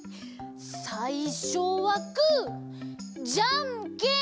さいしょはグーじゃんけんぽん！